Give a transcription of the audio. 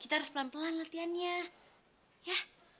kita harus pelan pelan latihannya ya